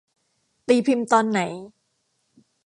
ตีพิมพ์ตอนไหน